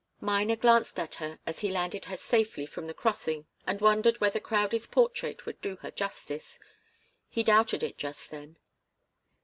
Miner glanced at her as he landed her safely from the crossing and wondered whether Crowdie's portrait would do her justice. He doubted it, just then.